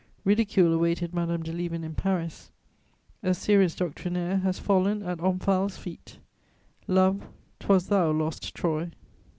Ridicule awaited Madame de Lieven in Paris. A serious doctrinaire has fallen at Omphale's feet: "Love, 'twas thou lost Troy."